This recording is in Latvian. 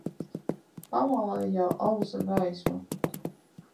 Pamalē jau ausa gaisma